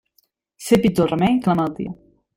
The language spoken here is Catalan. Ser pitjor el remei que la malaltia.